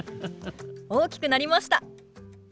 大きくなりました！